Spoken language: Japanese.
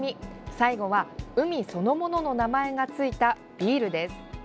最後は、海そのものの名前がついたビールです。